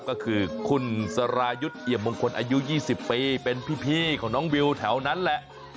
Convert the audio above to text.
ก็คือคุณสรายุทธ์เอี่ยมมงคลอายุ๒๐ปีเป็นพี่ของน้องวิวแถวนั้นแหละ